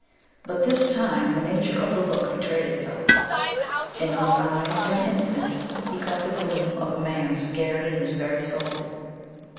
But this time the nature of the look betrayed itself. In those eyes, for an instant, he caught the gleam of a man scared in his very soul.